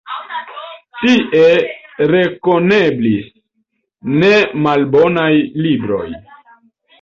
Tie renkonteblis nemalbonaj libroj.